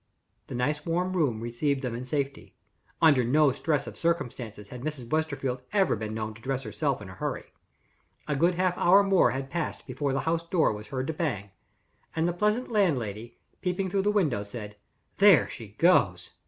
The nice warm room received them in safety. Under no stress of circumstances had Mrs. Westerfield ever been known to dress herself in a hurry. A good half hour more had passed before the house door was heard to bang and the pleasant landlady, peeping through the window, said: "There she goes.